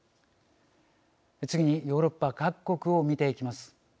次にヨーロッパ各国を見ていきます。